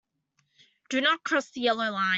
Do not cross the yellow line.